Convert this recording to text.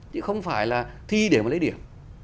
chứ không phải là thi để mà lấy điểm